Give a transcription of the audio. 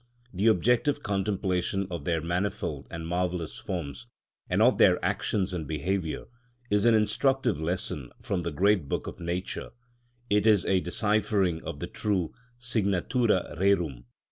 The objective contemplation of their manifold and marvellous forms, and of their actions and behaviour, is an instructive lesson from the great book of nature, it is a deciphering of the true signatura rerum.